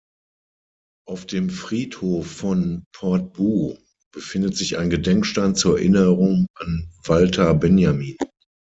Auf dem Friedhof von Portbou befindet sich ein Gedenkstein zur Erinnerung an Walter Benjamin.